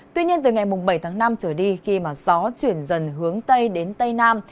tuy nhiên từ ngày bảy tháng năm trở đi khi gió chuyển dần hướng tây đến tây nam